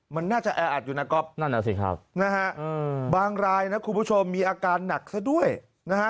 มันน่าจะแออัดอยู่นะครับบางรายนะคุณผู้ชมมีอาการหนักซะด้วยนะฮะ